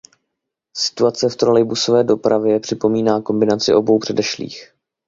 Situace v trolejbusové dopravě připomíná kombinaci obou předešlých.